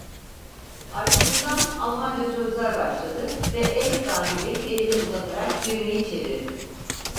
Arkasından Almanca sözler başladı ve ev sahibi elini uzatarak düğmeyi çevirdi.